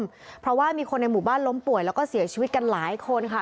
เพราะว่ามีคนในหมู่บ้านล้มป่วยแล้วก็เสียชีวิตกันหลายคนค่ะ